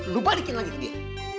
lo balikin lagi deh